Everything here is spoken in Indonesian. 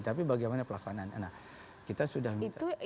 tapi bagaimana pelaksanaan nah kita sudah minta